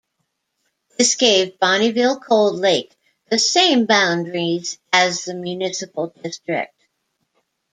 This gave Bonnyville-Cold Lake the same boundaries as the Municipal District.